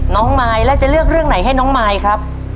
น้องมายแล้วจะเลือกเรื่องไหนให้น้องมายครับ